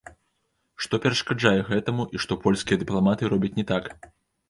Што перашкаджае гэтаму і што польскія дыпламаты робяць не так?